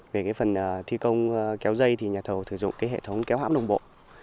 về phần thi công kéo dây nhà thầu sử dụng hệ thống kéo hãm đồng bộ